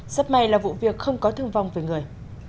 sắp may là vụ việc không có thương vong về người